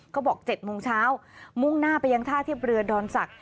เขาบอก๗โมงเช้ามุ่งหน้าไปยังท่าเทียบเรือดอนศักดิ